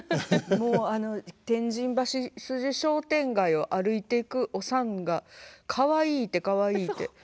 もう天神橋筋商店街を歩いていくおさんがかわいいてかわいいて。